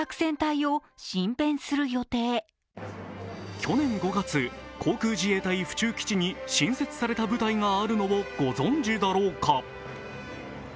去年５月航空自衛隊・府中基地に新設された部隊があるのをご存じだろうか。